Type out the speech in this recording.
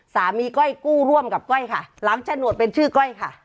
ก้อยกู้ร่วมกับก้อยค่ะหลังฉนวดเป็นชื่อก้อยค่ะ